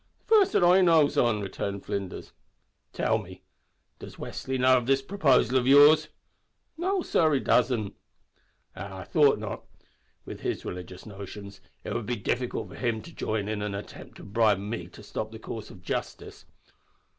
"The first that I knows on," returned Flinders. "Tell me does Westly know of this proposal of yours?" "No sor, he doesn't." "Ah, I thought not. With his religious notions, it would be difficult for him to join in an attempt to bribe me to stop the course of justice."